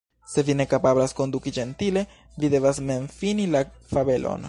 Se vi ne kapablas konduti ĝentile, vi devas mem fini la fabelon."